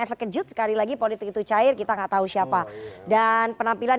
efek kejut sekali lagi politik itu cair kita nggak tahu siapa dan penampilan